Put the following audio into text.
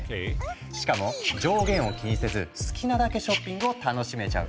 しかも上限を気にせず好きなだけショッピングを楽しめちゃう。